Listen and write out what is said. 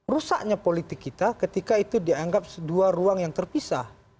rusaknya politik kita ketika itu dianggap dua ruang yang terpisah